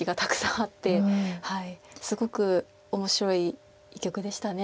すごく面白い一局でした。